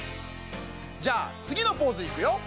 じゃあつぎのポーズいくよ。